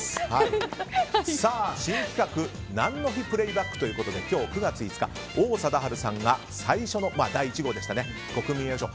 新企画何の日プレイバックということで今日、９月５日王貞治さんが最初の第１号、国民栄誉賞。